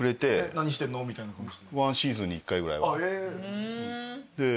「何してんの？」みたいな感じで？